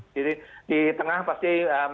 jadi di tengah pasti menurunkan